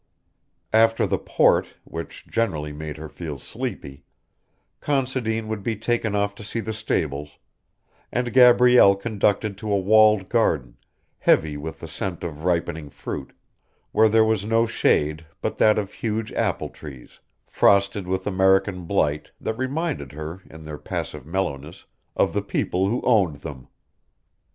After the port, which generally made her feel sleepy, Considine would be taken off to see the stables, and Gabrielle conducted to a walled garden, heavy with the scent of ripening fruit, where there was no shade but that of huge apple trees, frosted with American blight, that reminded her, in their passive mellowness, of the people who owned them.